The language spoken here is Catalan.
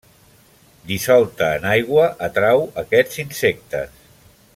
Dissolta en aigua atrau aquests insectes.